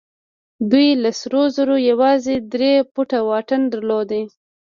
دوی له سرو زرو يوازې درې فوټه واټن درلود.